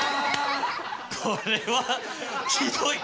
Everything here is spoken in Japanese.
これはひどい！